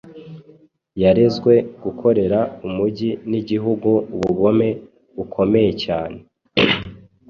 Yarezwe gukorera umujyi n’igihugu ubugome bukomeye cyane